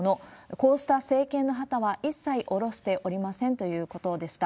こうした政権の旗は一切降ろしておりませんということでした。